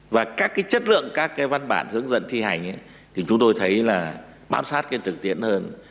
và các cái chất lượng các cái văn bản hướng dẫn thi hành thì chúng tôi thấy là bám sát cái thực tiễn hơn